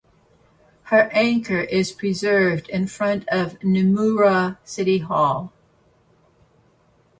Her anchor is preserved in front of Nemuro City Hall.